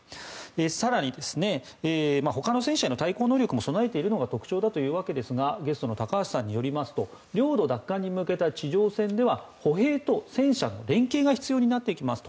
更に、他の戦車への対抗能力を備えているのも特徴だというわけですがゲストの高橋さんによりますと領土奪還に向けた地上戦では歩兵と戦車の連携が必要になってきますと。